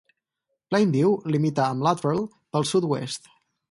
Plainview limita amb Luttrell pel sud-oest.